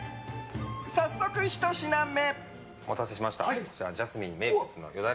早速、ひと品目。